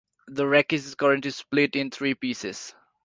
The wreckage is currently split in three pieces.